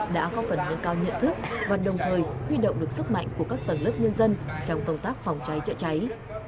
đã có phần nâng cao nhận thức và đồng thời huy động được sức mạnh của các tầng lớp nhân dân trong công tác phòng cháy chữa cháy